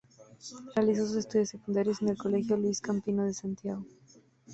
Realizó sus estudios secundarios en el Colegio Luis Campino de Santiago.